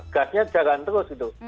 gasnya jalan terus gitu